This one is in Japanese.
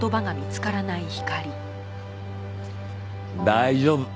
大丈夫。